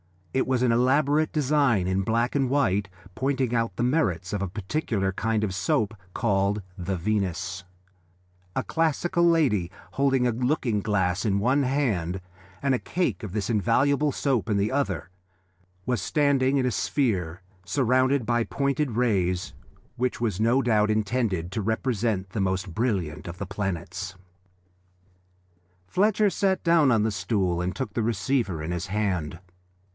It was an elaborate design in black and white, pointing out the merits of a particular kind of soap called the Venus: a classical lady, holding a looking glass in one hand and a cake of this invaluable soap in the other, was standing in a sphere surrounded by pointed rays, which was no doubt intended to represent the most brilliant of the planets. Fletcher sat down on the stool and took the receiver in his hand.